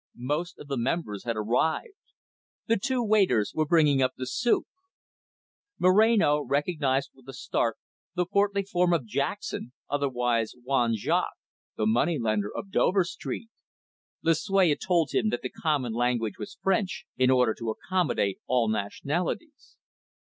Most of the members had arrived. The two waiters were bringing up the soup. Moreno recognised with a start the portly form of Jackson, otherwise Juan Jaques, the moneylender of Dover Street. Lucue had told him that the common language was French, in order to accommodate all nationalities.